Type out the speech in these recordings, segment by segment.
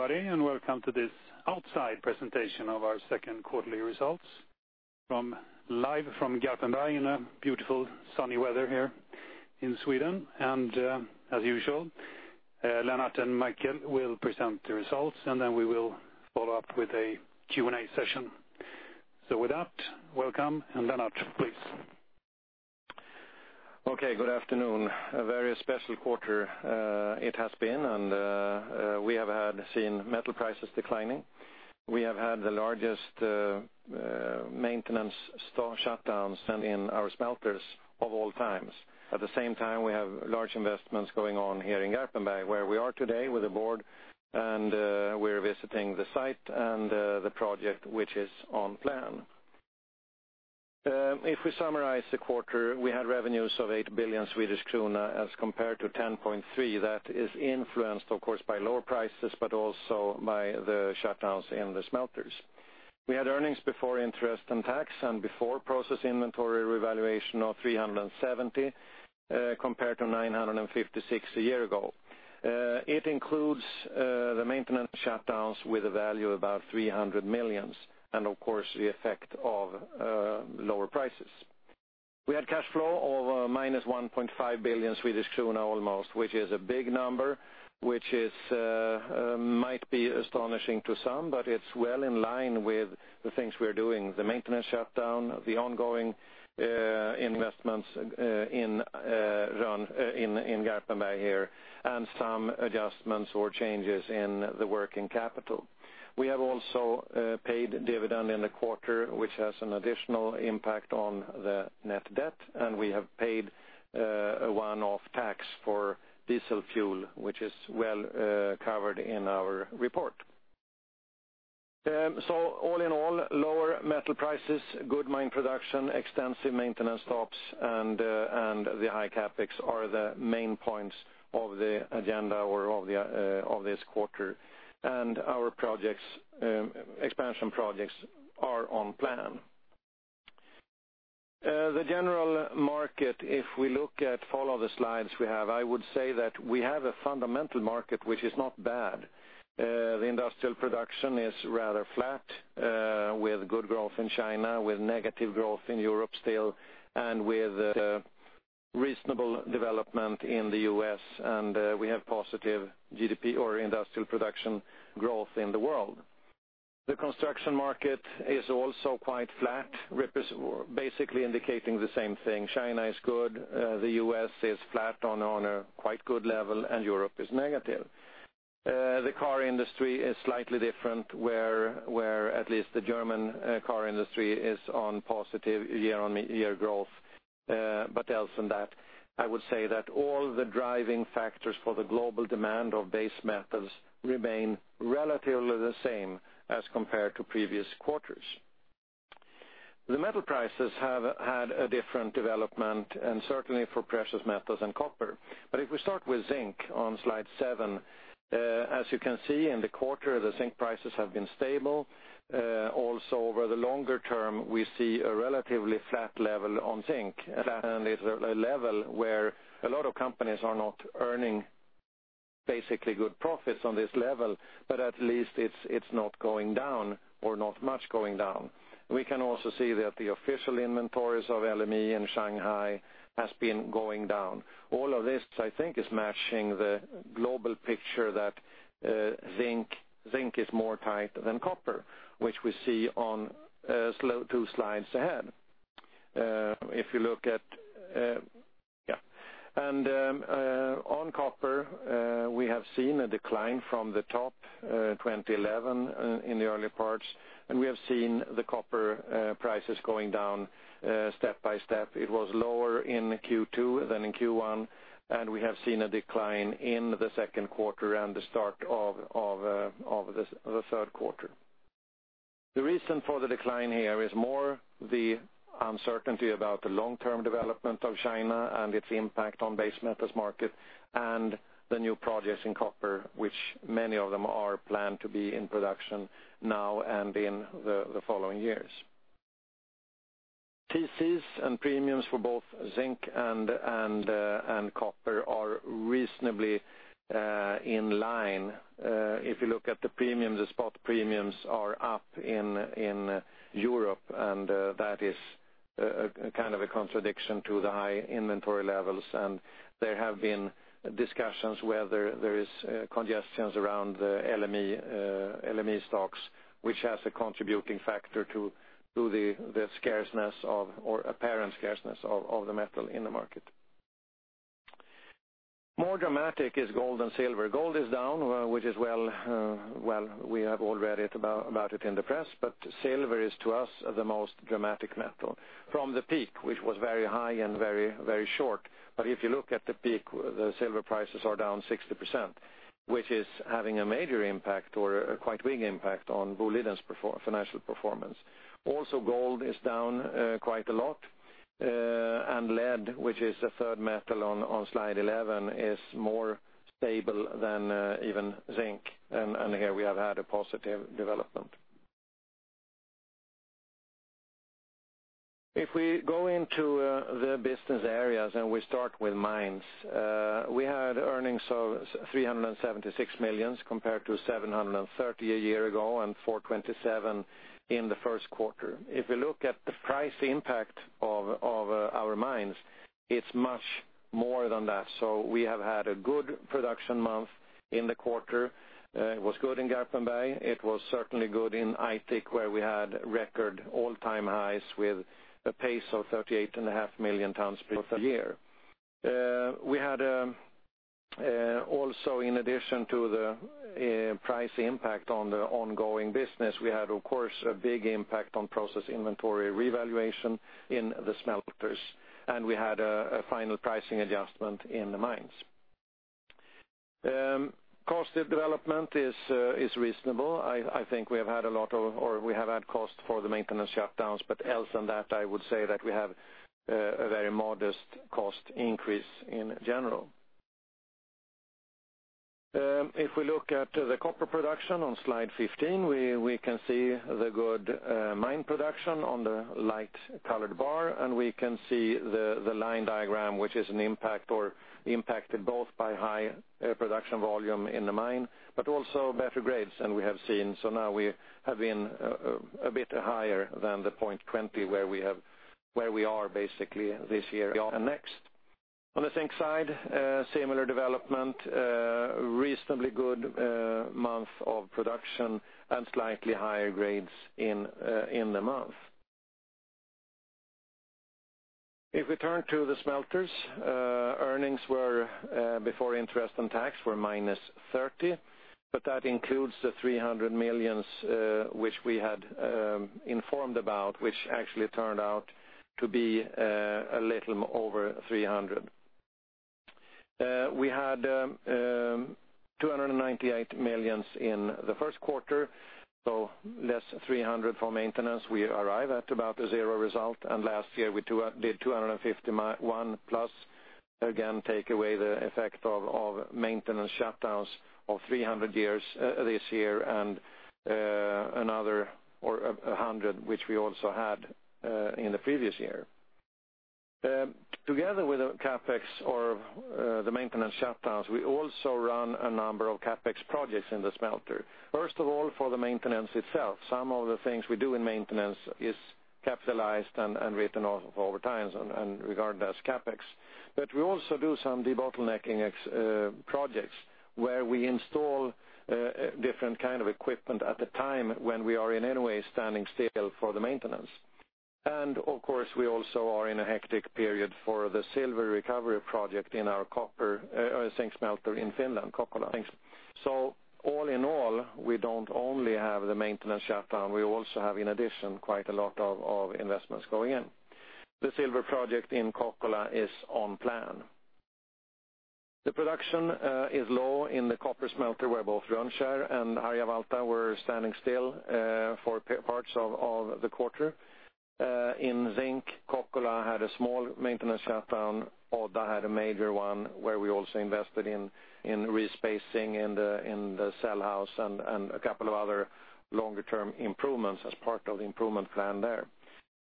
Hello everybody, welcome to this outside presentation of our second quarterly results, live from Garpenberg in a beautiful sunny weather here in Sweden. As usual, Lennart and Mikael will present the results, then we will follow up with a Q&A session. With that, welcome, and Lennart, please. Okay. Good afternoon. A very special quarter it has been. We have seen metal prices declining. We have had the largest maintenance store shutdowns in our smelters of all time. At the same time, we have large investments going on here in Garpenberg, where we are today with the board, and we're visiting the site and the project, which is on plan. If we summarize the quarter, we had revenues of 8 billion Swedish krona as compared to 10.3 billion. That is influenced, of course, by lower prices, but also by the shutdowns in the smelters. We had earnings before interest and tax and before process inventory revaluation of 370 million, compared to 956 million a year ago. It includes the maintenance shutdowns with a value of about 300 million, and of course, the effect of lower prices. We had cash flow of minus 1.5 billion Swedish kronor almost, which is a big number, which might be astonishing to some, but it's well in line with the things we're doing, the maintenance shutdown, the ongoing investments in Garpenberg here, and some adjustments or changes in the working capital. We have also paid dividend in the quarter, which has an additional impact on the net debt, and we have paid a one-off tax for diesel fuel, which is well covered in our report. All in all, lower metal prices, good mine production, extensive maintenance stops, and the high CapEx are the main points of the agenda of this quarter. Our expansion projects are on plan. The general market, if we look at all of the slides we have, I would say that we have a fundamental market which is not bad. The industrial production is rather flat, with good growth in China, with negative growth in Europe still, and with reasonable development in the U.S., and we have positive GDP or industrial production growth in the world. The construction market is also quite flat, basically indicating the same thing. China is good, the U.S. is flat on a quite good level, and Europe is negative. The car industry is slightly different, where at least the German car industry is on positive year-on-year growth. Else than that, I would say that all the driving factors for the global demand of base metals remain relatively the same as compared to previous quarters. The metal prices have had a different development, and certainly for precious metals and copper. If we start with zinc on slide seven, as you can see in the quarter, the zinc prices have been stable. Over the longer term, we see a relatively flat level on zinc, it's a level where a lot of companies are not earning basically good profits on this level, but at least it's not going down or not much going down. We can also see that the official inventories of LME in Shanghai has been going down. All of this, I think, is matching the global picture that zinc is more tight than copper, which we see on two slides ahead. On copper, we have seen a decline from the top 2011 in the early parts, we have seen the copper prices going down step by step. It was lower in Q2 than in Q1, we have seen a decline in the second quarter and the start of the third quarter. The reason for the decline here is more the uncertainty about the long-term development of China and its impact on base metals market and the new projects in copper, which many of them are planned to be in production now and in the following years. TCs and premiums for both zinc and copper are reasonably in line. If you look at the premiums, the spot premiums are up in Europe, that is kind of a contradiction to the high inventory levels. There have been discussions whether there is congestions around the LME stocks, which has a contributing factor to the apparent scarceness of the metal in the market. More dramatic is gold and silver. Gold is down, we have all read about it in the press, silver is to us the most dramatic metal from the peak, which was very high and very short. If you look at the peak, the silver prices are down 60%, which is having a major impact or a quite big impact on Boliden's financial performance. Gold is down quite a lot, lead, which is the third metal on slide 11, is more stable than even zinc, here we have had a positive development. If we go into the business areas and we start with mines, we had earnings of 376 million compared to 730 a year ago, 427 in the first quarter. If we look at the price impact of our mines, it's much more than that. We have had a good production month in the quarter. It was good in Garpenberg. It was certainly good in Aitik, where we had record all-time highs with a pace of 38.5 million tons per year. We had, in addition to the price impact on the ongoing business, we had, of course, a big impact on process inventory revaluation in the smelters, we had a final pricing adjustment in the mines. Cost development is reasonable. I think we have had cost for the maintenance shutdowns, else than that, I would say that we have a very modest cost increase in general. If we look at the copper production on slide 15, we can see the good mine production on the light-colored bar, we can see the line diagram, which is an impact or impacted both by high production volume in the mine, but also better grades than we have seen. Now we have been a bit higher than the point 20 where we are basically this year and next. On the zinc side, similar development, a reasonably good month of production and slightly higher grades in the month. If we turn to the smelters, earnings before interest and tax were minus 30 million, but that includes the 300 million which we had informed about, which actually turned out to be a little over 300 million. We had 298 million in the first quarter, so less 300 million for maintenance. We arrive at about a zero result, and last year we did 251 million plus. Again, take away the effect of maintenance shutdowns of 300 million this year and another 100 million, which we also had in the previous year. Together with the maintenance shutdowns, we also run a number of CapEx projects in the smelter. For the maintenance itself. Some of the things we do in maintenance is capitalized and written off over time and regarded as CapEx. We also do some debottlenecking projects where we install different kind of equipment at the time when we are in any way standing still for the maintenance. Of course, we also are in a hectic period for the silver recovery project in our zinc smelter in Finland, Kokkola. All in all, we don't only have the maintenance shutdown, we also have in addition, quite a lot of investments going in. The silver project in Kokkola is on plan. The production is low in the copper smelter where both Rönnskär and Harjavalta were standing still for parts of the quarter. In zinc, Kokkola had a small maintenance shutdown. Odda had a major one where we also invested in respacing in the cell house and a couple of other longer term improvements as part of the improvement plan there.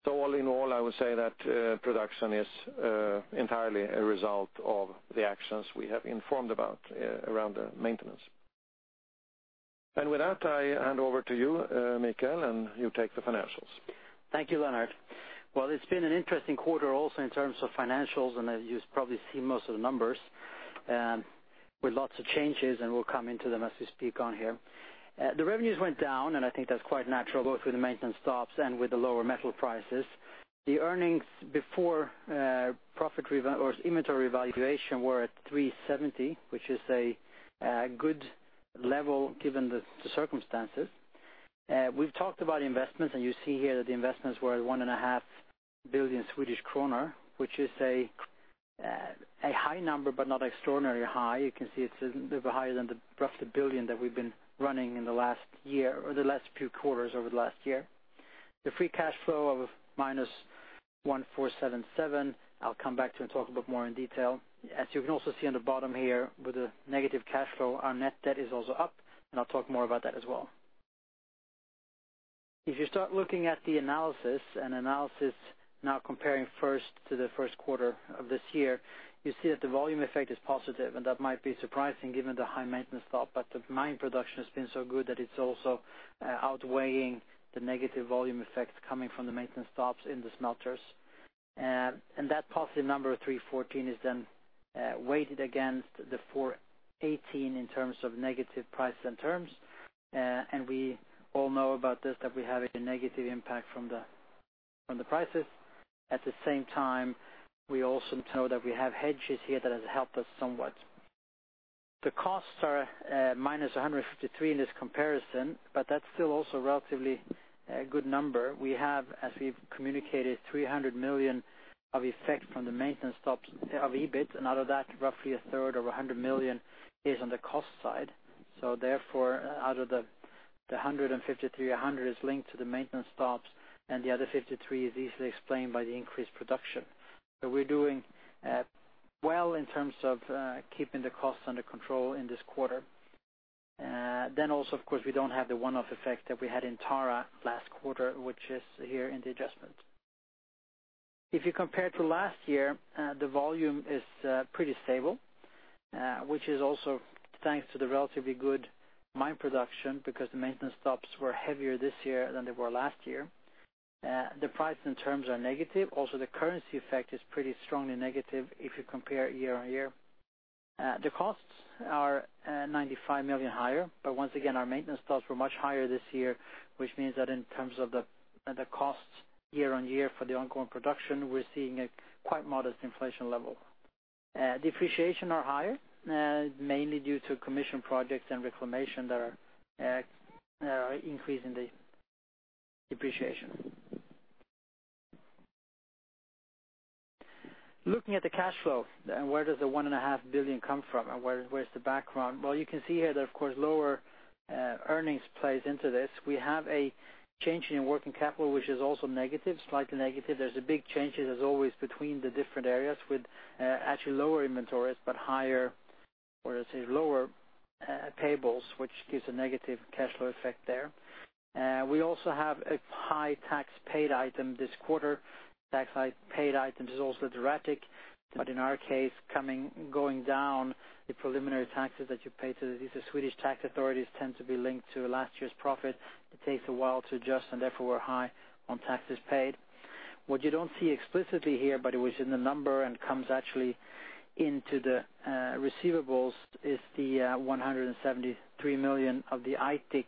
All in all, I would say that production is entirely a result of the actions we have informed about around the maintenance. With that, I hand over to you, Mikael, and you take the financials. Thank you, Lennart. Well, it's been an interesting quarter also in terms of financials. As you probably seen most of the numbers, with lots of changes, we'll come into them as we speak on here. The revenues went down. I think that's quite natural, both with the maintenance stops and with the lower metal prices. The earnings before inventory valuation were at 370 million, which is a good level given the circumstances. We've talked about investments, and you see here that the investments were at 1.5 billion Swedish kronor, which is a high number but not extraordinarily high. You can see it's a little bit higher than the roughly 1 billion that we've been running in the last year or the last few quarters over the last year. The free cash flow of minus 1,477 million, I'll come back to and talk about more in detail. As you can also see on the bottom here with the negative cash flow, our net debt is also up, I'll talk more about that as well. If you start looking at the analysis now comparing first to the first quarter of this year, you see that the volume effect is positive, that might be surprising given the high maintenance stop. The mine production has been so good that it's also outweighing the negative volume effects coming from the maintenance stops in the smelters. That positive number of 314 is then weighted against the 418 in terms of negative prices and terms. We all know about this, that we have a negative impact from the prices. At the same time, we also know that we have hedges here that has helped us somewhat. The costs are -153 in this comparison, that's still also a relatively good number. We have, as we've communicated, 300 million of effect from the maintenance stops of EBIT, out of that, roughly a third or 100 million is on the cost side. Therefore, out of the 153, 100 is linked to the maintenance stops, the other 53 is easily explained by the increased production. We're doing well in terms of keeping the costs under control in this quarter. Also, of course, we don't have the one-off effect that we had in Tara last quarter, which is here in the adjustment. If you compare to last year, the volume is pretty stable which is also thanks to the relatively good mine production because the maintenance stops were heavier this year than they were last year. The price in terms are negative. Also, the currency effect is pretty strongly negative if you compare year-on-year. The costs are 95 million higher. Once again, our maintenance costs were much higher this year, which means that in terms of the costs year-on-year for the ongoing production, we're seeing a quite modest inflation level. Depreciation are higher, mainly due to commission projects and reclamation that are increasing the depreciation. Looking at the cash flow, where does the 1.5 billion come from, where's the background? You can see here that, of course, lower earnings plays into this. We have a change in working capital, which is also negative, slightly negative. There's a big change, as always, between the different areas with actually lower inventories, but lower payables, which gives a negative cash flow effect there. We also have a high tax paid item this quarter. Tax paid item is also erratic, in our case, going down the preliminary taxes that you pay to the Swedish tax authorities tend to be linked to last year's profit. It takes a while to adjust, therefore we're high on taxes paid. What you don't see explicitly here, it was in the number, comes actually into the receivables is the 173 million of the Aitik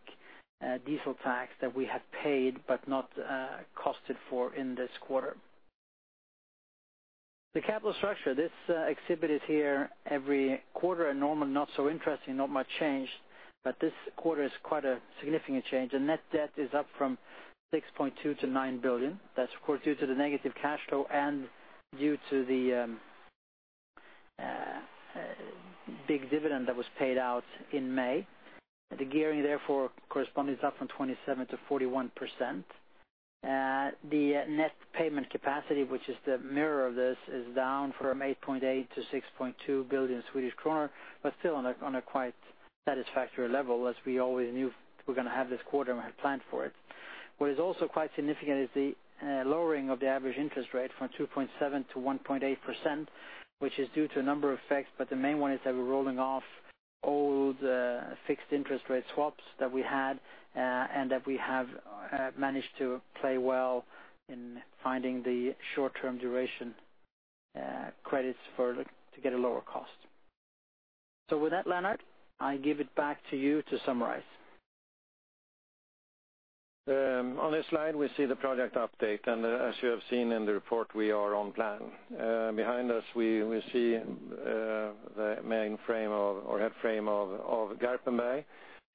diesel tax that we had paid, not costed for in this quarter. The capital structure. This exhibit is here every quarter, normally not so interesting, not much change, this quarter is quite a significant change. The net debt is up from 6.2 billion to 9 billion. That's, of course, due to the negative cash flow, due to the big dividend that was paid out in May. The gearing, therefore, corresponding is up from 27% to 41%. The net payment capacity, which is the mirror of this, is down from 8.8 billion to 6.2 billion Swedish kronor, but still on a quite satisfactory level as we always knew we're going to have this quarter and we had planned for it. What is also quite significant is the lowering of the average interest rate from 2.7%-1.8%, which is due to a number of effects, but the main one is that we're rolling off old fixed interest rate swaps that we had, and that we have managed to play well in finding the short-term duration credits to get a lower cost. With that, Lennart, I give it back to you to summarize. On this slide, we see the project update, and as you have seen in the report, we are on plan. Behind us, we will see the main frame or head frame of Garpenberg.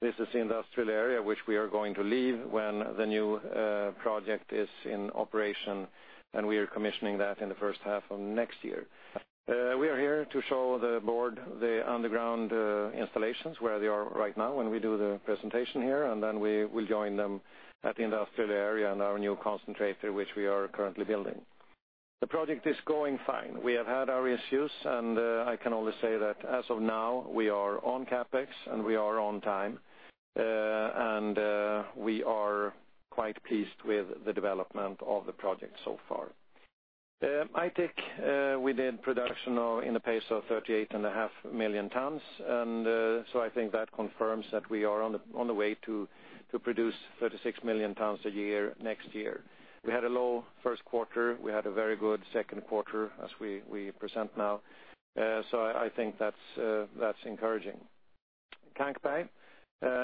This is the industrial area which we are going to leave when the new project is in operation, and we are commissioning that in the first half of next year. We are here to show the board the underground installations where they are right now when we do the presentation here, and then we will join them at the industrial area and our new concentrator, which we are currently building. The project is going fine. We have had our issues, and I can only say that as of now, we are on CapEx, and we are on time. We are quite pleased with the development of the project so far. Aitik, we did production in the pace of 38.5 million tons. I think that confirms that we are on the way to produce 36 million tons a year next year. We had a low first quarter. We had a very good second quarter as we present now. I think that's encouraging. Kankberg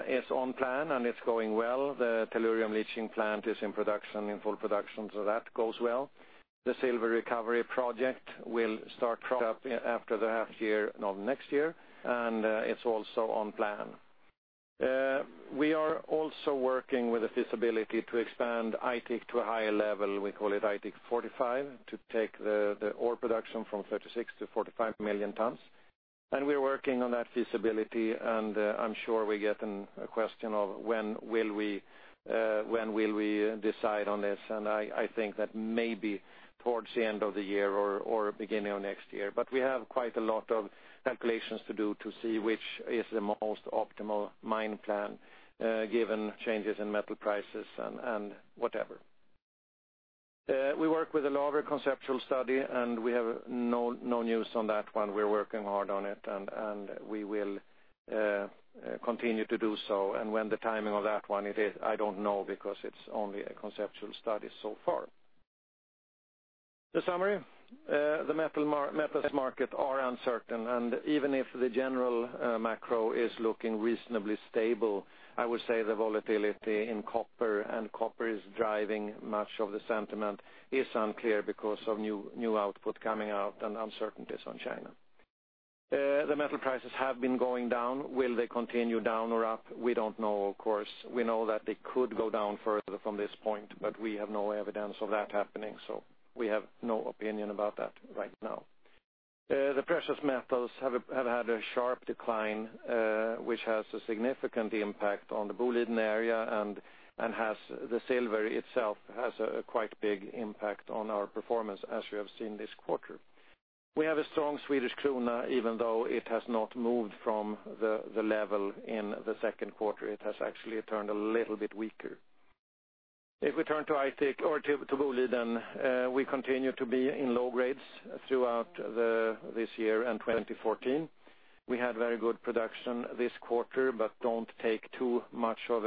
is on plan, and it's going well. The tellurium leaching plant is in full production, so that goes well. The silver recovery project will start up after the half year of next year, and it's also on plan. We are also working with the feasibility to expand Aitik to a higher level. We call it Aitik 45 to take the ore production from 36 million tons to 45 million tons. We're working on that feasibility, and I'm sure we get a question of when will we decide on this. I think that may be towards the end of the year or beginning of next year. We have quite a lot of calculations to do to see which is the most optimal mine plan given changes in metal prices and whatever. We work with a larger conceptual study, and we have no news on that one. We're working hard on it, and we will continue to do so. When the timing of that one it is, I don't know because it's only a conceptual study so far. The summary. The metals market are uncertain, and even if the general macro is looking reasonably stable, I would say the volatility in copper, and copper is driving much of the sentiment, is unclear because of new output coming out and uncertainties on China. The metal prices have been going down. Will they continue down or up? We don't know, of course. We know that they could go down further from this point, but we have no evidence of that happening, so we have no opinion about that right now. The precious metals have had a sharp decline which has a significant impact on the Boliden area and the silver itself has a quite big impact on our performance as you have seen this quarter. We have a strong Swedish krona, even though it has not moved from the level in the second quarter. It has actually turned a little bit weaker. If we turn to Aitik or to Boliden, we continue to be in low grades throughout this year and 2014. We had very good production this quarter, but don't take too much of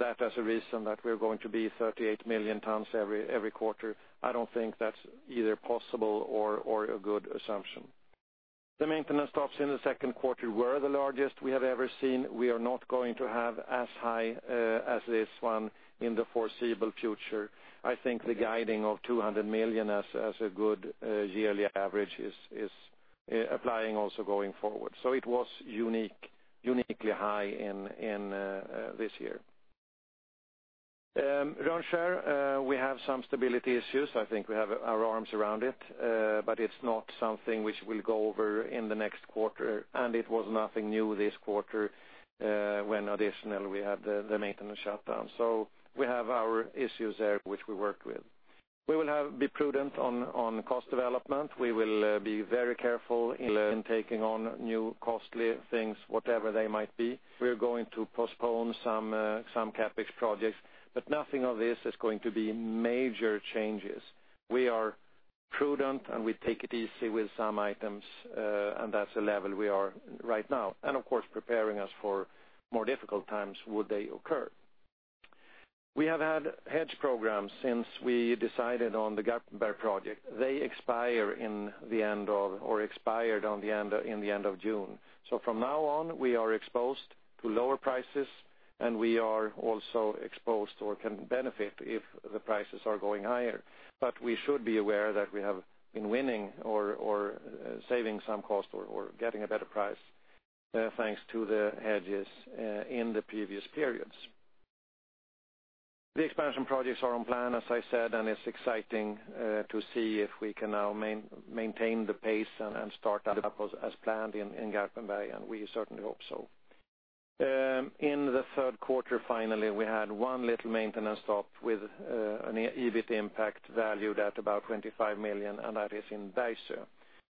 that as a reason that we're going to be 38 million tons every quarter. I don't think that's either possible or a good assumption. The maintenance stops in the second quarter were the largest we have ever seen. We are not going to have as high as this one in the foreseeable future. I think the guiding of 200 million as a good yearly average is applying also going forward. It was uniquely high in this year. Rönnskär, we have some stability issues. I think we have our arms around it, but it's not something which we'll go over in the next quarter, and it was nothing new this quarter, when additionally we had the maintenance shutdown. We have our issues there which we work with. We will be prudent on cost development. We will be very careful in taking on new costly things, whatever they might be. We're going to postpone some CapEx projects, nothing of this is going to be major changes. We are prudent, and we take it easy with some items. That's the level we are right now. Of course, preparing us for more difficult times would they occur. We have had hedge programs since we decided on the Garpenberg project. They expire in the end of, or expired in the end of June. From now on, we are exposed to lower prices and we are also exposed or can benefit if the prices are going higher. We should be aware that we have been winning or saving some cost or getting a better price, thanks to the hedges in the previous periods. The expansion projects are on plan, as I said, it's exciting to see if we can now maintain the pace and start up as planned in Garpenberg, we certainly hope so. In the third quarter, finally, we had one little maintenance stop with an EBIT impact valued at about 25 million, that is in Deifelt.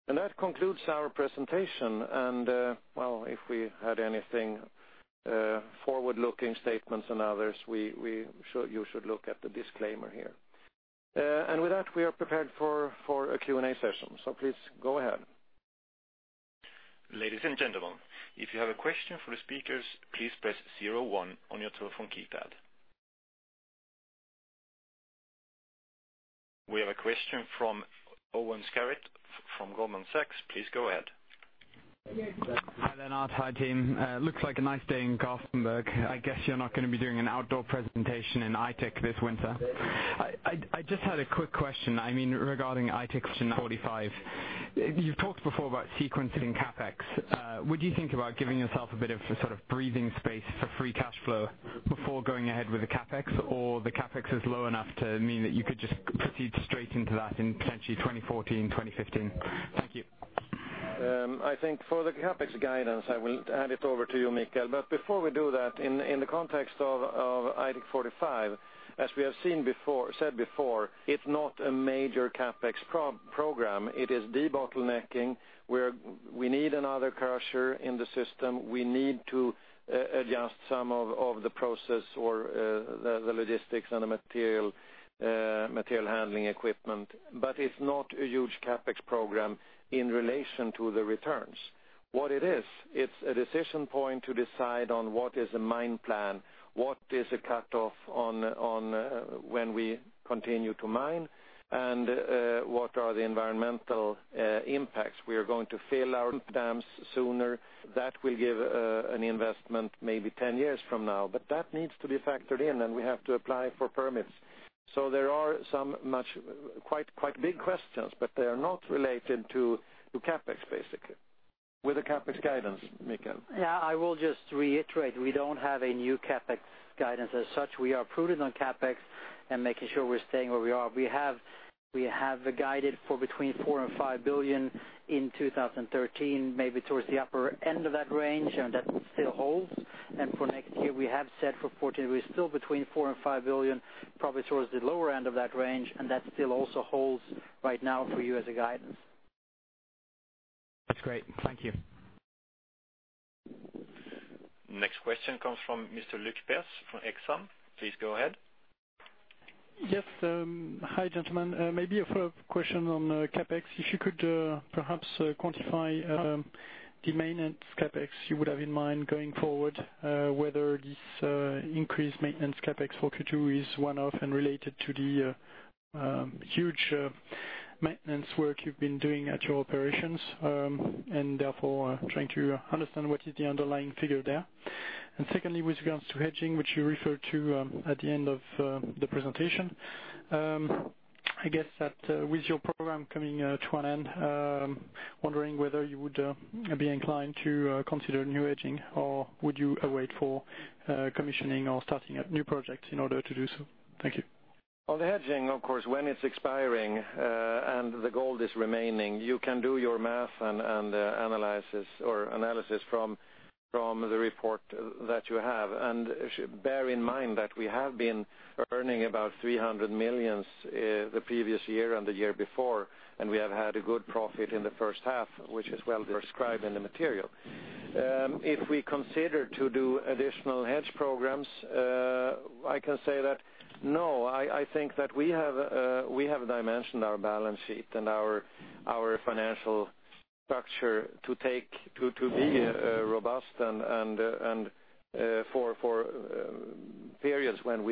That concludes our presentation. Well, if we had anything forward-looking statements and others, you should look at the disclaimer here. With that, we are prepared for a Q&A session. Please go ahead. Ladies and gentlemen, if you have a question for the speakers, please press 01 on your telephone keypad. We have a question from Owen Skerrett from Goldman Sachs. Please go ahead. Hi there, Lennart. Hi, team. Looks like a nice day in Garpenberg. I guess you're not going to be doing an outdoor presentation in Aitik this winter. I just had a quick question. Regarding Aitik 45, you've talked before about sequencing CapEx. Would you think about giving yourself a bit of breathing space for free cash flow before going ahead with the CapEx? The CapEx is low enough to mean that you could just proceed straight into that in potentially 2014, 2015? Thank you. I think for the CapEx guidance, I will hand it over to you, Mikael. Before we do that, in the context of Aitik 45, as we have said before, it's not a major CapEx program. It is debottlenecking, where we need another crusher in the system. We need to adjust some of the process or the logistics and the material handling equipment. It's not a huge CapEx program in relation to the returns. What it is, it's a decision point to decide on what is a mine plan, what is a cutoff on when we continue to mine, and what are the environmental impacts. We are going to fill our dams sooner. That will give an investment maybe 10 years from now. That needs to be factored in, and we have to apply for permits. There are some quite big questions, they are not related to CapEx, basically. With the CapEx guidance, Mikael. I will just reiterate, we don't have a new CapEx guidance as such. We are prudent on CapEx and making sure we're staying where we are. We have guided for between 4 billion and 5 billion in 2013, maybe towards the upper end of that range, and that still holds. For next year, we have said for 2014, we're still between 4 billion and 5 billion, probably towards the lower end of that range, and that still also holds right now for you as a guidance. That's great. Thank you. Next question comes from Mr. Luc Pez from Exane. Please go ahead. Yes. Hi, gentlemen. Maybe a follow-up question on CapEx. If you could perhaps quantify the maintenance CapEx you would have in mind going forward, whether this increased maintenance CapEx for Q2 is one-off and related to the huge maintenance work you've been doing at your operations. Therefore trying to understand what is the underlying figure there. Secondly, with regards to hedging, which you referred to at the end of the presentation. I guess that with your program coming to an end, wondering whether you would be inclined to consider new hedging or would you wait for commissioning or starting up new projects in order to do so? Thank you. On the hedging, of course, when it's expiring and the gold is remaining, you can do your math and analysis from the report that you have. Bear in mind that we have been earning about 300 million the previous year and the year before, we have had a good profit in the first half, which is well described in the material. If we consider to do additional hedge programs, I can say that no, I think that we have dimensioned our balance sheet and our financial structure to be robust and for periods when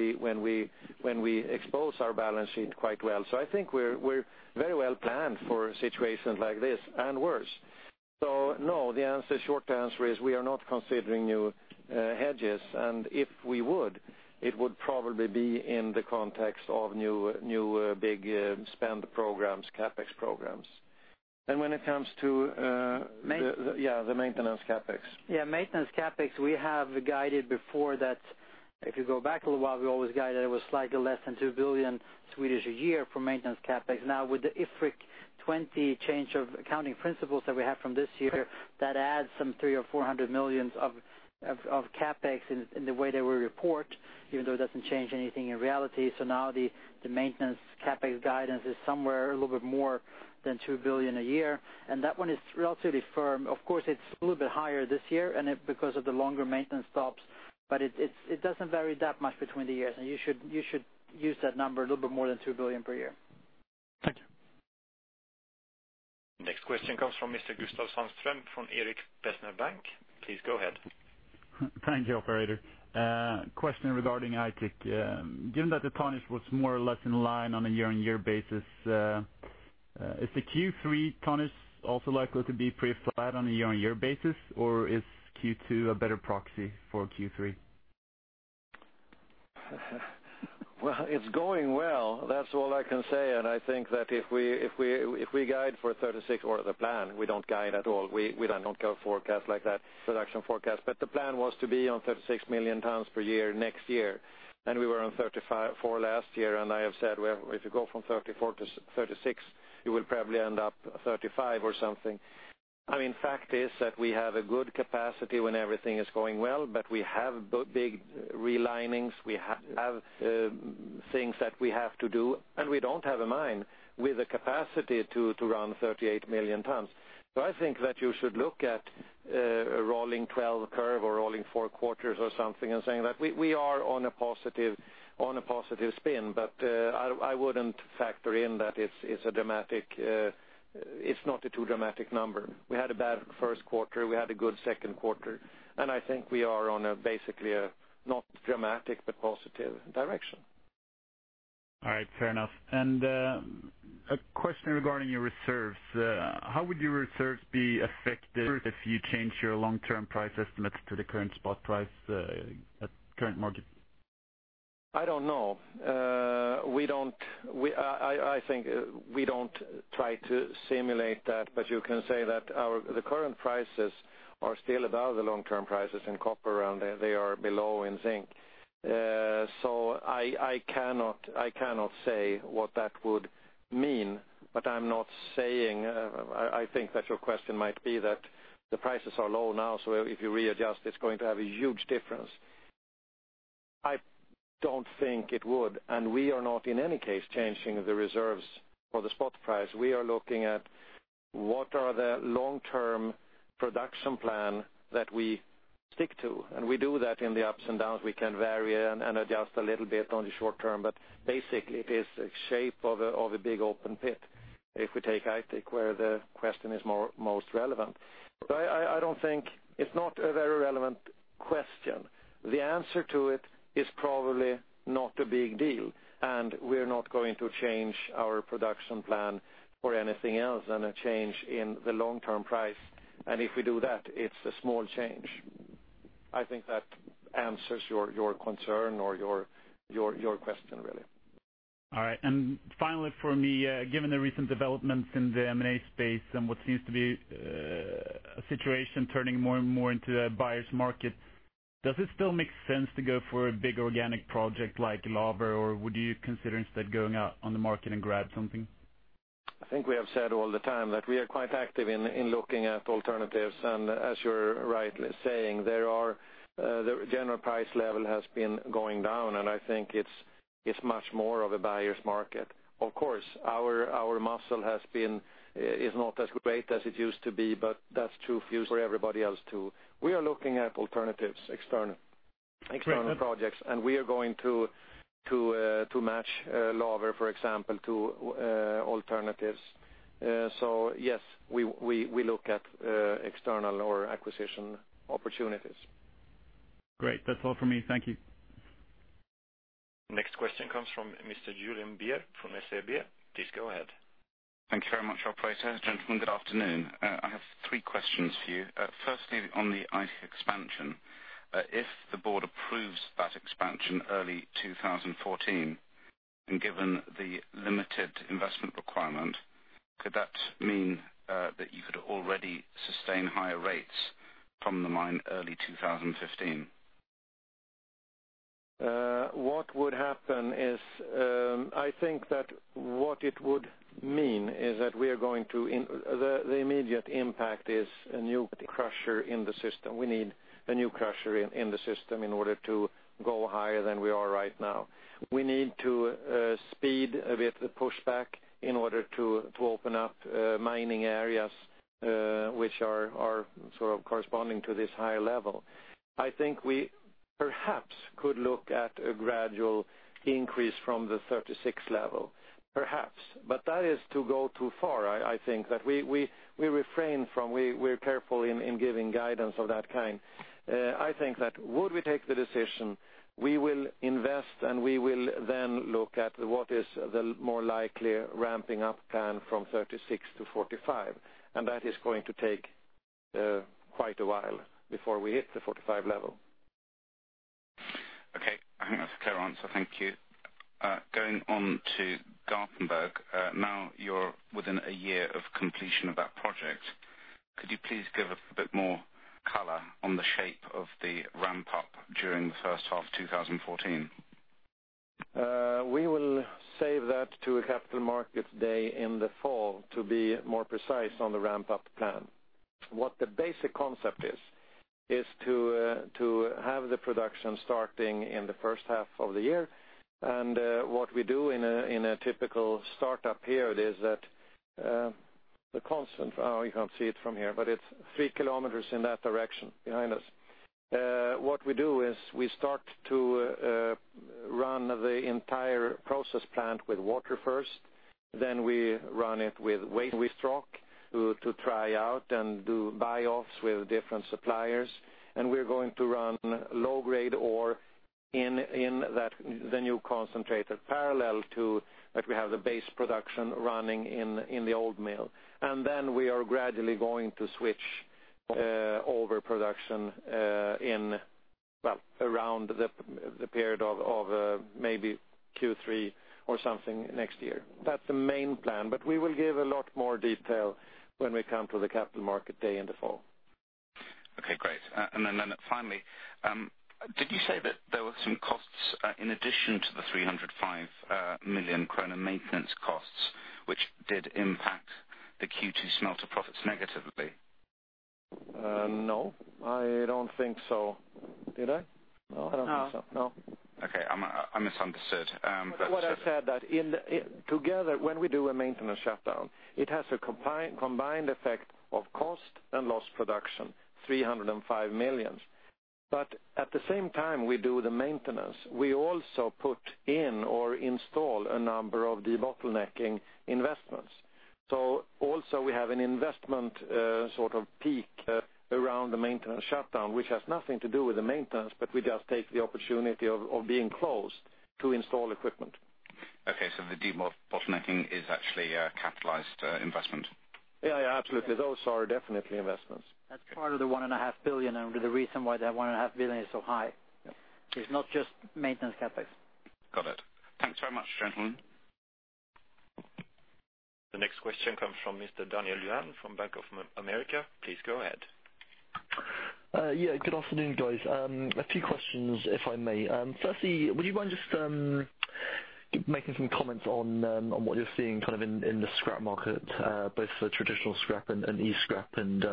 we expose our balance sheet quite well. I think we're very well planned for situations like this and worse. No, the short answer is we are not considering new hedges, and if we would, it would probably be in the context of new big spend programs, CapEx programs. When it comes to- Maintenance. Yeah, the maintenance CapEx. Yeah, maintenance CapEx, we have guided before that, if you go back a little while, we always guided it was slightly less than 2 billion a year for maintenance CapEx. Now with the IFRIC 20 change of accounting principles that we have from this year, that adds some 300 million or 400 million of CapEx in the way that we report, even though it doesn't change anything in reality. Now the maintenance CapEx guidance is somewhere a little bit more than 2 billion a year, and that one is relatively firm. Of course, it's a little bit higher this year because of the longer maintenance stops, but it doesn't vary that much between the years, and you should use that number a little bit more than 2 billion per year. Thank you. Next question comes from Mr. Gustav Sandström from Erik Penser Bank. Please go ahead. Thank you, operator. Question regarding Aitik. Given that the tonnage was more or less in line on a year-on-year basis, is the Q3 tonnage also likely to be pretty flat on a year-on-year basis, or is Q2 a better proxy for Q3? Well, it's going well. That's all I can say. I think that if we guide for 36, or the plan, we don't guide at all. We don't go forecast like that, production forecast. The plan was to be on 36 million tons per year next year. We were on 34 last year. I have said if you go from 34 to 36, you will probably end up 35 or something. Fact is that we have a good capacity when everything is going well. We have big relinings. We have things that we have to do, and we don't have a mine with a capacity to run 38 million tons. I think that you should look at a rolling 12 curve or rolling four quarters or something, saying that we are on a positive spin. I wouldn't factor in that it's not a too dramatic number. We had a bad first quarter, we had a good second quarter, I think we are on a basically, not dramatic, but positive direction. All right. Fair enough. A question regarding your reserves. How would your reserves be affected if you change your long-term price estimates to the current spot price at current market? I don't know. We don't try to simulate that, you can say that the current prices are still above the long-term prices in copper, they are below in zinc. I cannot say what that would mean. I think that your question might be that the prices are low now, if you readjust, it's going to have a huge difference. I don't think it would, we are not, in any case, changing the reserves for the spot price. We are looking at what are the long-term production plan that we stick to, we do that in the ups and downs. We can vary and adjust a little bit on the short term, basically it is the shape of a big open pit if we take Aitik where the question is most relevant. It's not a very relevant question. The answer to it is probably not a big deal, we're not going to change our production plan or anything else on a change in the long-term price. If we do that, it's a small change. I think that answers your concern or your question really. All right. Finally from me, given the recent developments in the M&A space and what seems to be a situation turning more and more into a buyer's market, does it still make sense to go for a big organic project like Laver or would you consider instead going out on the market and grab something? I think we have said all the time that we are quite active in looking at alternatives. As you're rightly saying, the general price level has been going down. I think it's much more of a buyer's market. Of course, our muscle is not as great as it used to be, but that's true for everybody else, too. We are looking at alternatives, external projects, and we are going to match Laver, for example, to alternatives. Yes, we look at external or acquisition opportunities. Great. That's all from me. Thank you. Next question comes from Mr. Julian Beer from SEB. Please go ahead. Thank you very much, operator. Alain Gabriel, good afternoon. I have three questions for you. Firstly, on the Aitik expansion, if the board approves that expansion early 2014, and given the limited investment requirement, could that mean that you could already sustain higher rates from the mine early 2015. What would happen is, I think that what it would mean is that the immediate impact is a new crusher in the system. We need a new crusher in the system in order to go higher than we are right now. We need to speed with the pushback in order to open up mining areas, which are corresponding to this higher level. I think we perhaps could look at a gradual increase from the 36 level. Perhaps. That is to go too far, I think, that we refrain from. We're careful in giving guidance of that kind. I think that would we take the decision, we will invest, and we will then look at what is the more likely ramping up plan from 36 to 45. That is going to take quite a while before we hit the 45 level. Okay. I think that's a clear answer. Thank you. Going on to Garpenberg. Now you're within a year of completion of that project. Could you please give a bit more color on the shape of the ramp-up during the first half of 2014? We will save that to a capital markets day in the fall to be more precise on the ramp-up plan. What the basic concept is to have the production starting in the first half of the year. What we do in a typical startup period is that the constant, you can't see it from here, but it's three kilometers in that direction behind us. What we do is we start to run the entire process plant with water first, then we run it with waste rock to try out and do buyoffs with different suppliers. We're going to run low-grade ore in the new concentrator parallel to that we have the base production running in the old mill. Then we are gradually going to switch over production in, around the period of maybe Q3 or something next year. That's the main plan. We will give a lot more detail when we come to the capital market day in the fall. Okay, great. Finally, did you say that there were some costs in addition to the 305 million kronor maintenance costs, which did impact the Q2 smelter profits negatively? No, I don't think so. Did I? No, I don't think so. No. Okay, I misunderstood. What I said together, when we do a maintenance shutdown, it has a combined effect of cost and lost production, 305 million. At the same time we do the maintenance, we also put in or install a number of debottlenecking investments. Also we have an investment sort of peak around the maintenance shutdown, which has nothing to do with the maintenance, but we just take the opportunity of being closed to install equipment. Okay, the debottlenecking is actually a capitalized investment? Yeah, absolutely. Those are definitely investments. That's part of the one and a half billion and the reason why that one and a half billion is so high. It's not just maintenance CapEx. Got it. Thanks very much, gentlemen. The next question comes from Mr. Daniel Luan from Bank of America. Please go ahead. Yeah, good afternoon, guys. A few questions, if I may. Firstly, would you mind just making some comments on what you're seeing in the scrap market, both for traditional scrap and e-scrap, and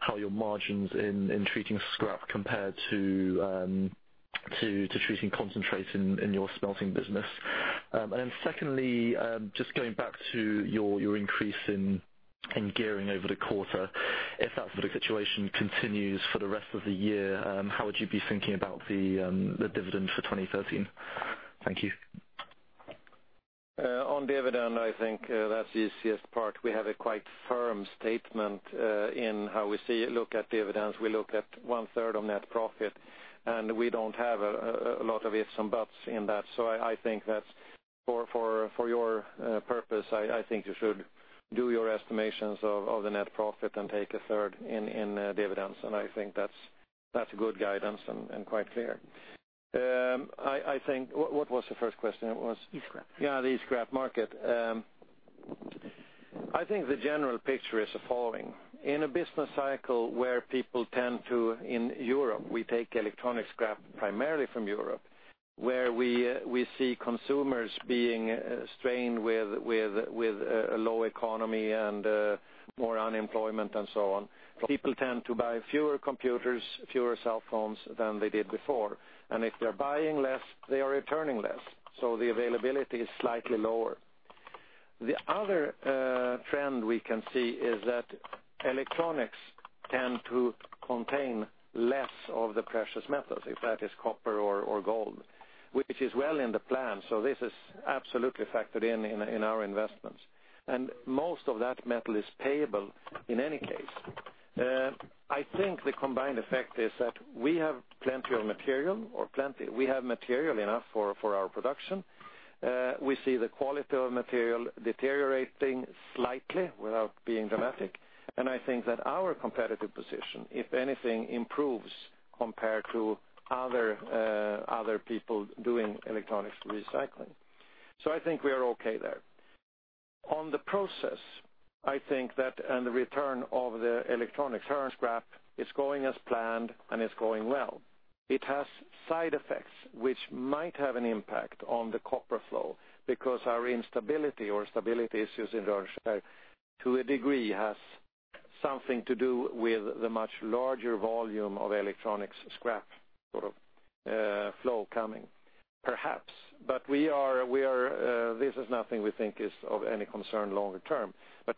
how your margins in treating scrap compare to treating concentrate in your smelting business? Secondly, just going back to your increase in gearing over the quarter. If that sort of situation continues for the rest of the year, how would you be thinking about the dividend for 2013? Thank you. On dividend, I think that's the easiest part. We have a quite firm statement in how we look at dividends. We look at one third of net profit. We don't have a lot of ifs and buts in that. I think that for your purpose, I think you should do your estimations of the net profit and take a third in dividends. I think that's good guidance and quite clear. What was the first question? E-scrap. Yeah, the e-scrap market. I think the general picture is the following. In a business cycle where people tend to, in Europe, we take electronic scrap primarily from Europe, where we see consumers being strained with a low economy and more unemployment and so on. People tend to buy fewer computers, fewer cell phones than they did before. If they're buying less, they are returning less. The availability is slightly lower. The other trend we can see is that electronics tend to contain less of the precious metals, if that is copper or gold, which is well in the plan. This is absolutely factored in in our investments. Most of that metal is payable, in any case. I think the combined effect is that we have plenty of material or we have material enough for our production. We see the quality of material deteriorating slightly without being dramatic. I think that our competitive position, if anything, improves compared to other people doing electronics recycling. I think we are okay there. On the process, I think that on the return of the electronic scrap is going as planned, and it's going well. It has side effects which might have an impact on the copper flow because our instability or stability issues in Rönnskär, to a degree, has something to do with the much larger volume of electronic scrap flow coming, perhaps. This is nothing we think is of any concern longer term.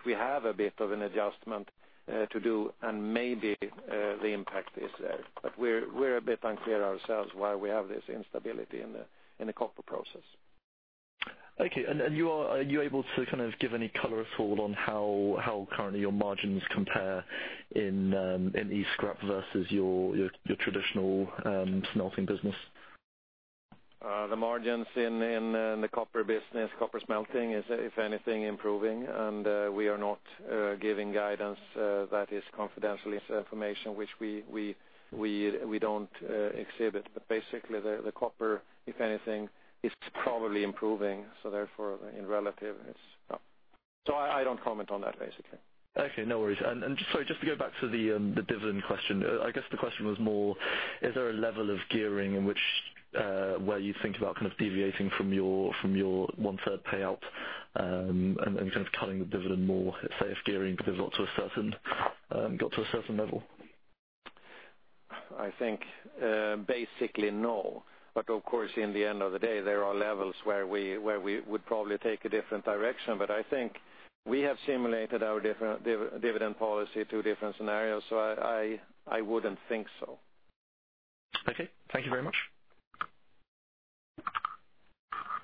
We have a bit of an adjustment to do, and maybe the impact is there. We're a bit unclear ourselves why we have this instability in the copper process. Okay. Are you able to give any color at all on how currently your margins compare in e-scrap versus your traditional smelting business? The margins in the copper business, copper smelting is, if anything, improving, and we are not giving guidance. That is confidential information which we don't exhibit. Basically, the copper, if anything, it's probably improving. Therefore, in relative it's up. I don't comment on that, basically. Okay, no worries. Sorry, just to go back to the dividend question. I guess the question was more, is there a level of gearing in where you think about deviating from your one-third payout, and then cutting the dividend more, say, if gearing the dividend got to a certain level? I think, basically, no. Of course, in the end of the day, there are levels where we would probably take a different direction. I think we have simulated our dividend policy to different scenarios, I wouldn't think so. Okay. Thank you very much.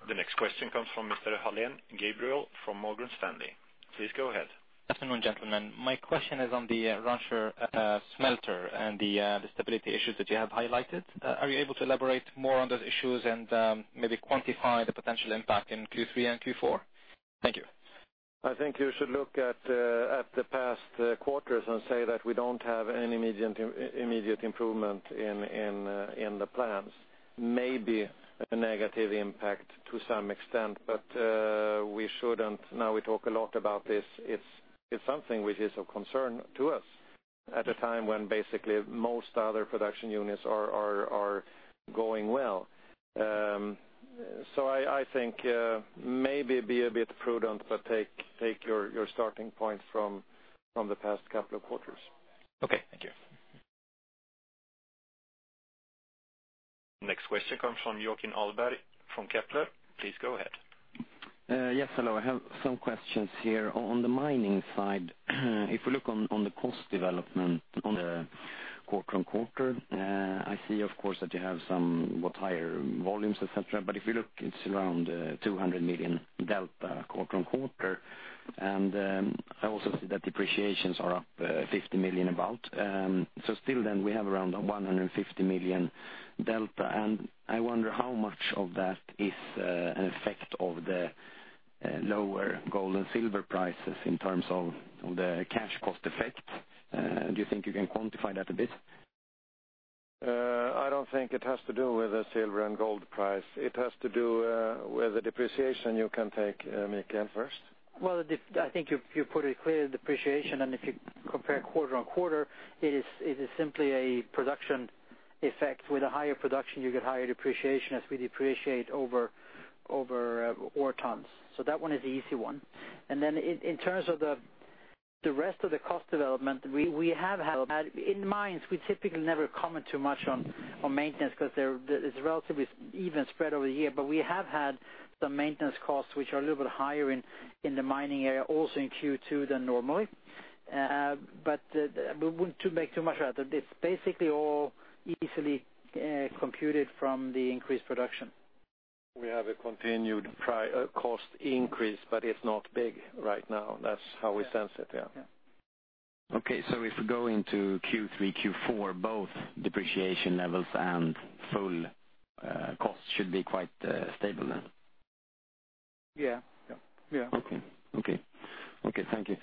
The next question comes from Mr. Alain Gabriel from Morgan Stanley. Please go ahead. Good afternoon, gentlemen. My question is on the Rönnskär smelter and the stability issues that you have highlighted. Are you able to elaborate more on those issues and maybe quantify the potential impact in Q3 and Q4? Thank you. I think you should look at the past quarters and say that we don't have any immediate improvement in the plans. Maybe a negative impact to some extent. Now we talk a lot about this. It's something which is of concern to us at a time when basically most other production units are going well. I think maybe be a bit prudent, but take your starting point from the past couple of quarters. Okay. Thank you. Next question comes from Joakim Ahlberg from Kepler. Please go ahead. Yes. Hello. I have some questions here. On the mining side, if we look on the cost development on the quarter-on-quarter, I see, of course, that you have somewhat higher volumes, et cetera. If you look, it's around 200 million delta quarter-on-quarter. I also see that depreciations are up 50 million about. Still then we have around 150 million delta. I wonder how much of that is an effect of the lower gold and silver prices in terms of the cash cost effect. Do you think you can quantify that a bit? I don't think it has to do with the silver and gold price. It has to do with the depreciation. You can take, Mikael, first. Well, I think you put it clear, the depreciation, if you compare quarter-on-quarter, it is simply a production effect. With a higher production, you get higher depreciation as we depreciate over ore tons. That one is the easy one. Then in terms of the rest of the cost development we have had, in mines, we typically never comment too much on maintenance because it's relatively even spread over a year. We have had some maintenance costs which are a little bit higher in the mining area, also in Q2 than normally. We wouldn't make too much out of this. Basically, all easily computed from the increased production. We have a continued cost increase, but it's not big right now. That's how we sense it, yeah. Yeah. If we go into Q3, Q4, both depreciation levels and full costs should be quite stable, then? Yeah. Yeah. Okay. Thank you.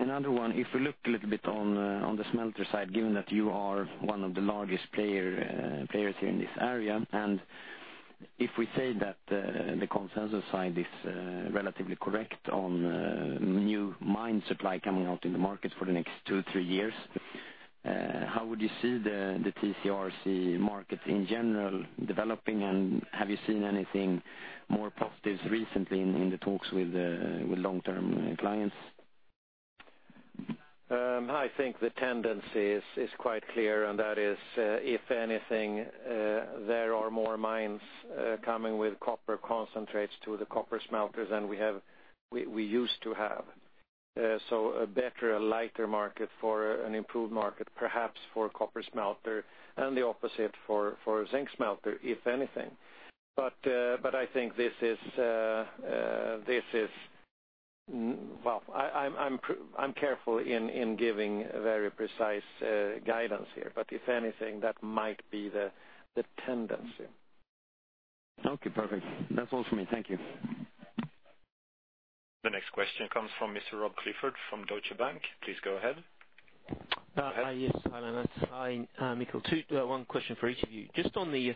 Another one, if you look a little bit on the smelter side, given that you are one of the largest players here in this area, if we say that the consensus side is relatively correct on new mine supply coming out in the market for the next two, three years, how would you see the TCRC market in general developing, and have you seen anything more positive recently in the talks with long-term clients? I think the tendency is quite clear, and that is, if anything, there are more mines coming with copper concentrates to the copper smelters than we used to have. A better, a lighter market for an improved market, perhaps for copper smelter and the opposite for a zinc smelter, if anything. Well, I'm careful in giving very precise guidance here, but if anything, that might be the tendency. Okay, perfect. That's all for me. Thank you. The next question comes from Mr. Robert Clifford from Deutsche Bank. Please go ahead. Yes. Hi, Lennart. Hi, Mikael. One question for each of you. Just on the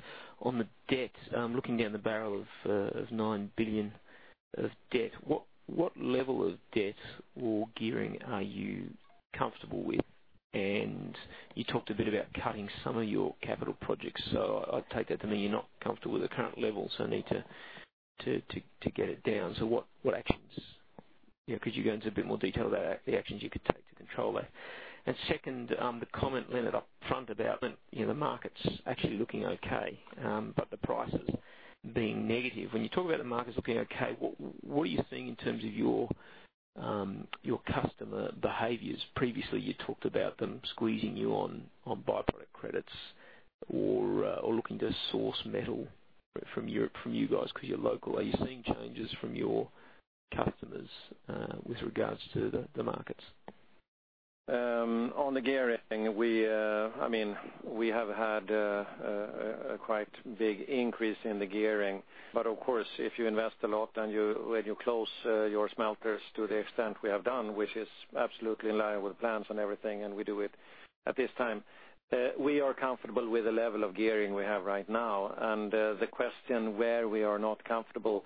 debt, looking down the barrel of nine billion of debt, what level of debt or gearing are you comfortable with? You talked a bit about cutting some of your capital projects, so I take that to mean you're not comfortable with the current level, need to get it down. What actions? Could you go into a bit more detail about the actions you could take to control that? Second, the comment Lennart upfront about the markets actually looking okay, but the prices being negative. When you talk about the markets looking okay, what are you seeing in terms of your customer behaviors? Previously, you talked about them squeezing you on by-product credits or looking to source metal from you guys because you're local. Are you seeing changes from your customers with regards to the markets? On the gearing, we have had a quite big increase in the gearing. Of course, if you invest a lot and when you close your smelters to the extent we have done, which is absolutely in line with plans and everything, we do it at this time, we are comfortable with the level of gearing we have right now. The question where we are not comfortable,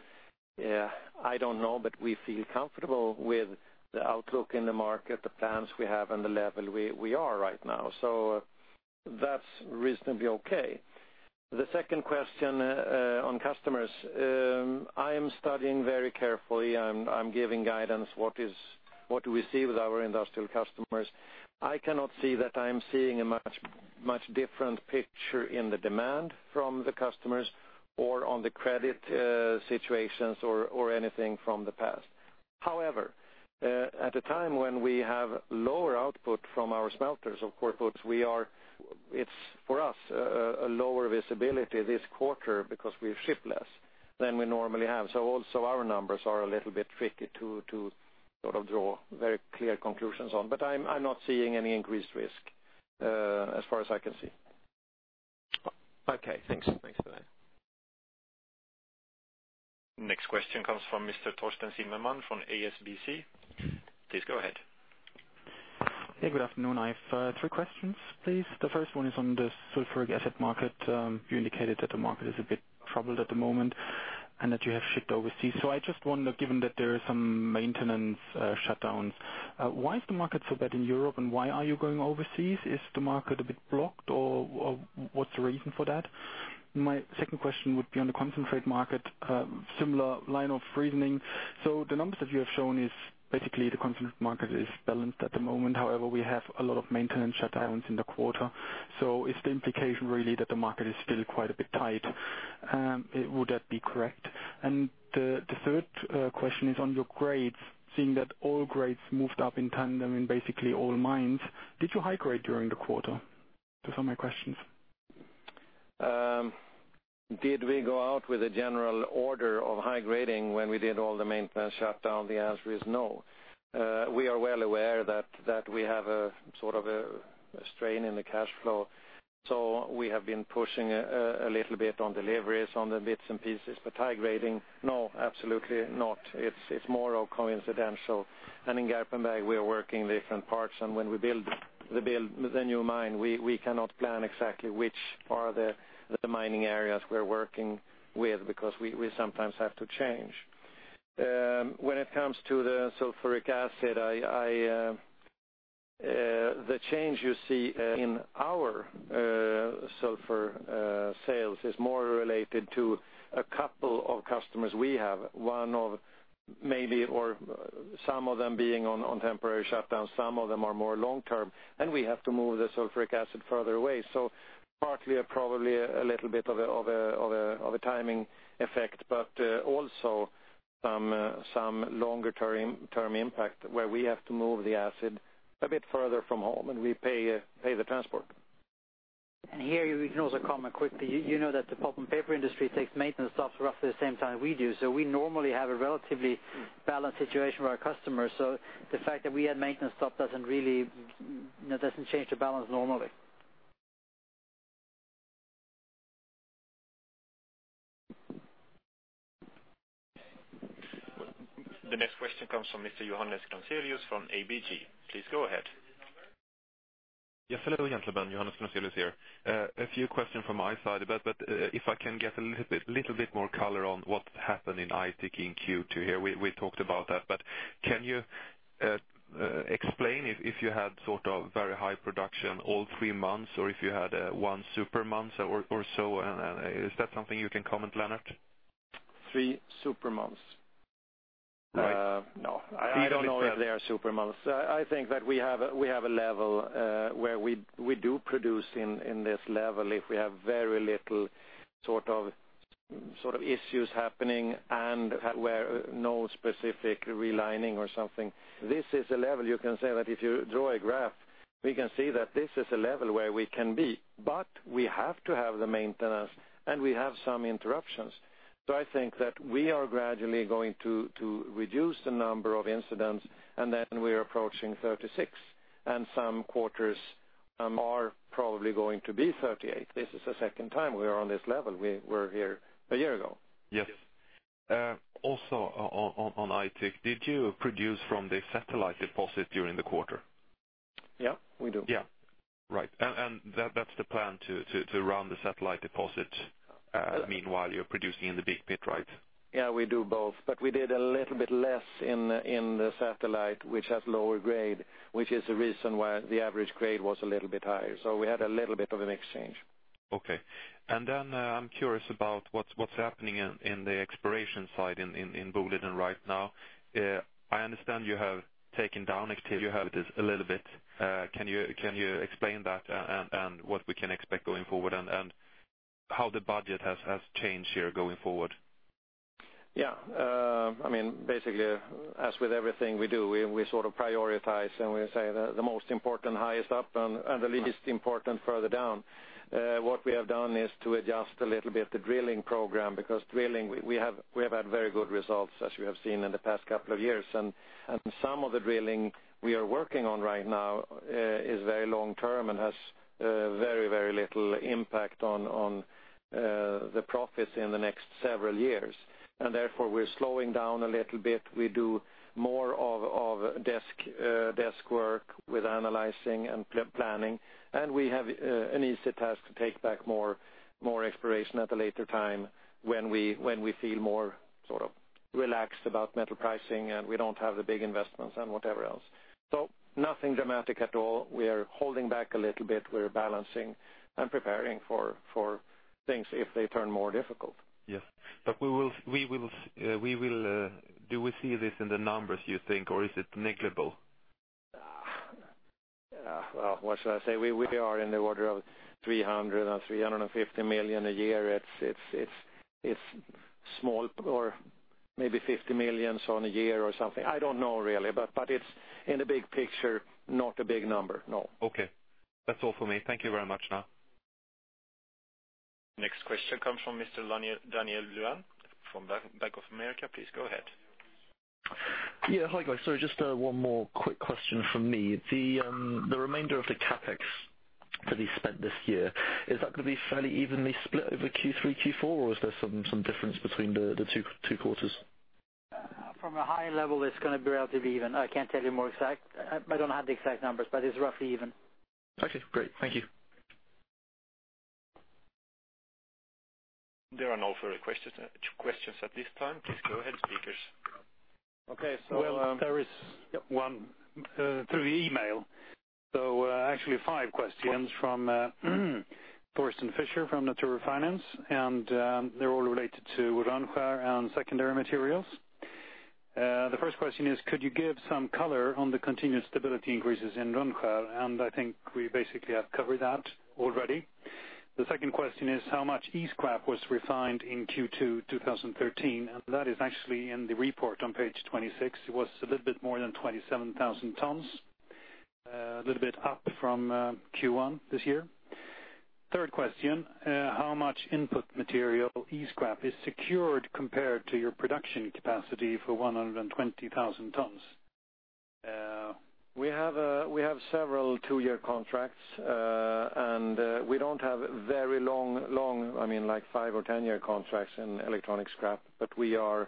I don't know, we feel comfortable with the outlook in the market, the plans we have, and the level we are right now. That's reasonably okay. The second question on customers. I am studying very carefully. I'm giving guidance what do we see with our industrial customers. I cannot see that I'm seeing a much different picture in the demand from the customers or on the credit situations or anything from the past. At a time when we have lower output from our smelters, of course, it's, for us, a lower visibility this quarter because we ship less than we normally have. Also our numbers are a little bit tricky to draw very clear conclusions on. I'm not seeing any increased risk, as far as I can see. Okay, thanks. Thanks for that. Next question comes from Mr. Thorsten Zimmermann from HSBC. Please go ahead. Hey, good afternoon. I have three questions, please. The first one is on the sulphuric acid market. You indicated that the market is a bit troubled at the moment and that you have shipped overseas. I just wonder, given that there is some maintenance shutdowns, why is the market so bad in Europe and why are you going overseas? Is the market a bit blocked or what's the reason for that? My second question would be on the concentrate market. Similar line of reasoning. The numbers that you have shown is basically the concentrate market is balanced at the moment. We have a lot of maintenance shutdowns in the quarter. Is the implication really that the market is still quite a bit tight? Would that be correct? The third question is on your grades, seeing that all grades moved up in tandem in basically all mines. Did you high grade during the quarter? Those are my questions. Did we go out with a general order of high grading when we did all the maintenance shutdown? The answer is no. We are well aware that we have a strain in the cash flow. We have been pushing a little bit on deliveries on the bits and pieces, but high grading, no, absolutely not. It's more of coincidental. In Garpenberg we are working different parts and when we build the new mine, we cannot plan exactly which are the mining areas we're working with because we sometimes have to change. When it comes to the sulphuric acid, the change you see in our sulphur sales is more related to a couple of customers we have. One of maybe or some of them being on temporary shutdown, some of them are more long-term, and we have to move the sulphuric acid further away. Partly probably a little bit of a timing effect, but also some longer-term impact where we have to move the acid a bit further from home and we pay the transport. Here you can also comment quickly. You know that the pulp and paper industry takes maintenance stops roughly the same time we do. We normally have a relatively balanced situation with our customers. The fact that we had maintenance stop doesn't change the balance normally. The next question comes from Mr. Johannes Granselius from ABG. Please go ahead. Yes, hello gentlemen. Johannes Granselius here. If I can get a little bit more color on what happened in Aitik in Q2 here. We talked about that, can you explain if you had sort of very high production all three months or if you had one super month or so, is that something you can comment, Lennart? Three super months. Right. I don't know if they are super months. I think that we have a level where we do produce in this level if we have very little issues happening and where no specific realigning or something. This is a level you can say that if you draw a graph, we can see that this is a level where we can be, we have to have the maintenance and we have some interruptions. I think that we are gradually going to reduce the number of incidents, then we're approaching 36, some quarters are probably going to be 38. This is the second time we are on this level. We were here a year ago. Yes. Also on Aitik, did you produce from the satellite deposit during the quarter? Yes, we do. Yes. Right. That's the plan to run the satellite deposit, meanwhile you're producing in the big pit, right? Yes, we do both. We did a little bit less in the satellite, which has lower grade, which is the reason why the average grade was a little bit higher. We had a little bit of an exchange. Okay. I'm curious about what's happening in the exploration side in Boliden right now. I understand you have taken down activities a little bit. Can you explain that and what we can expect going forward, and how the budget has changed here going forward? Yes. Basically, as with everything we do, we prioritize, and we say the most important highest up and the least important further down. What we have done is to adjust a little bit the drilling program, because drilling, we have had very good results, as you have seen in the past couple of years. Some of the drilling we are working on right now is very long-term and has very little impact on the profits in the next several years. Therefore we're slowing down a little bit. We do more of desk work with analyzing and planning, and we have an easy task to take back more exploration at a later time when we feel more relaxed about metal pricing, and we don't have the big investments and whatever else. Nothing dramatic at all. We are holding back a little bit. We're balancing and preparing for things if they turn more difficult. Yes. Do we see this in the numbers, you think, or is it negligible? Well, what should I say? We are in the order of 300 million or 350 million a year. It's small, or maybe 50 million on a year or something. I don't know really, but it's in the big picture, not a big number, no. Okay. That's all for me. Thank you very much now. Next question comes from Mr. Daniel Luan from Bank of America. Please go ahead. Hi, guys. Just one more quick question from me. The remainder of the CapEx to be spent this year, is that going to be fairly evenly split over Q3, Q4, or is there some difference between the two quarters? From a high level, it's going to be relatively even. I can't tell you more exact. I don't have the exact numbers, but it's roughly even. Okay, great. Thank you. There are no further questions at this time. Please go ahead, speakers. Okay. Well, there is one through email. Actually five questions from [Foreston Fisher] from Nature Finance, and they're all related to Rönnskär and secondary materials. The first question is, could you give some color on the continued stability increases in Rönnskär? I think we basically have covered that already. The second question is, how much e-scrap was refined in Q2 2013? That is actually in the report on page 26. It was a little bit more than 27,000 tons. A little bit up from Q1 this year. Third question, how much input material, e-scrap, is secured compared to your production capacity for 120,000 tons? We have several two-year contracts. We don't have very long, like five or 10-year contracts in electronic scrap. We are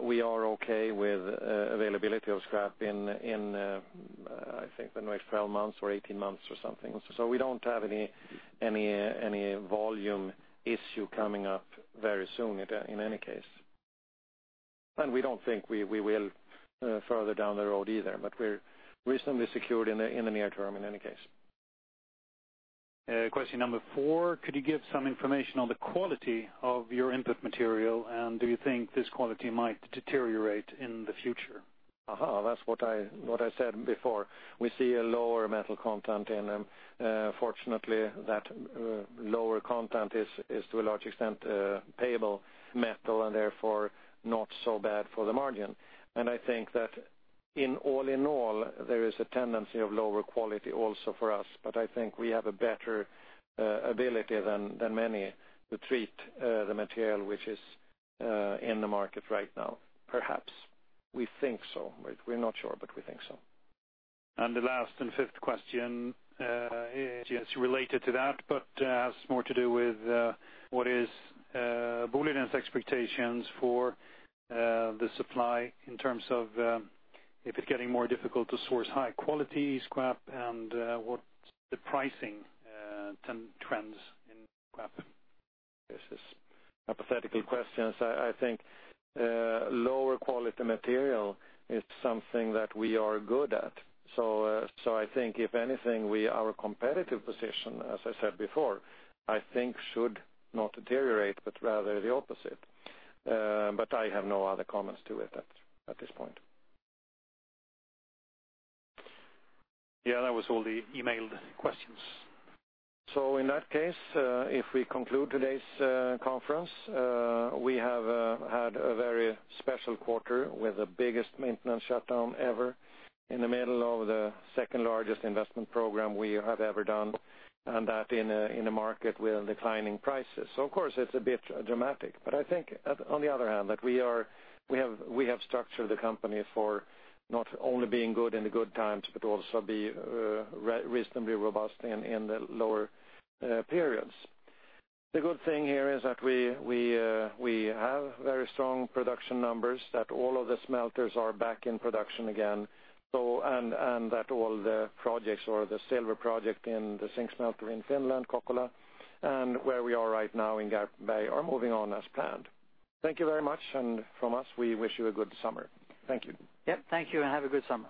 okay with availability of scrap in, I think the next 12 months or 18 months or something. We don't have any volume issue coming up very soon, in any case. We don't think we will further down the road either. We're reasonably secured in the near term in any case. Question number four, could you give some information on the quality of your input material? Do you think this quality might deteriorate in the future? That's what I said before. We see a lower metal content. Fortunately that lower content is to a large extent payable metal and therefore not so bad for the margin. I think that all in all, there is a tendency of lower quality also for us. I think we have a better ability than many to treat the material which is in the market right now. Perhaps. We think so. We're not sure. We think so. The last and fifth question is related to that but has more to do with what is Boliden's expectations for the supply in terms of if it's getting more difficult to source high-quality scrap and what the pricing trends in scrap. This is hypothetical questions. I think lower quality material is something that we are good at. I think if anything, our competitive position, as I said before, I think should not deteriorate but rather the opposite. I have no other comments to it at this point. Yes, that was all the emailed questions. In that case, if we conclude today's conference, we have had a very special quarter with the biggest maintenance shutdown ever in the middle of the second largest investment program we have ever done and that in a market with declining prices. Of course it's a bit dramatic, but I think on the other hand, that we have structured the company for not only being good in the good times but also be reasonably robust in the lower periods. The good thing here is that we have very strong production numbers, that all of the smelters are back in production again. That all the projects or the silver project in the zinc smelter in Finland, Kokkola, and where we are right now in Garpenberg are moving on as planned. Thank you very much, and from us, we wish you a good summer. Thank you. Yes, thank you, and have a good summer.